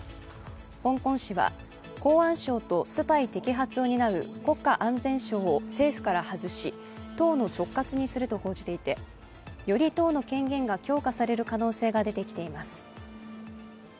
香港紙は公安省とスパイ摘発を担う国家安全省を政府から外し、党の直轄にすると報じていて、より党の権限が強化される可能性が出てきています。